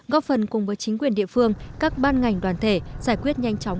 góp phần cùng với chính quyền địa phương các ban ngành đoàn thể giải quyết nhanh chóng